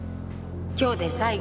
今日で最後。